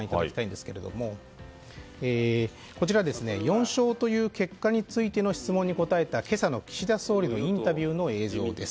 こちら、４勝という結果についての質問に答えた今朝の岸田総理のインタビューの映像です。